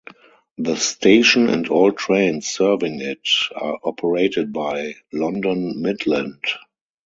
The station, and all trains serving it, are operated by London Midland.